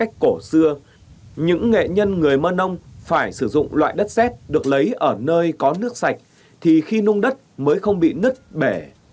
để chế tác đồ gốm theo cách cổ xưa những nghệ nhân người mờ nông phải sử dụng loại đất xét được lấy ở nơi có nước sạch thì khi nung đất mới không bị nứt bể